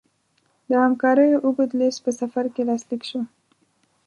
د همکاریو اوږد لېست په سفر کې لاسلیک شو.